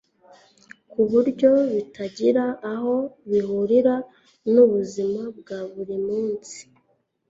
ku buryo bitagira aho bihurira n'ubuzima bwa buri munsi.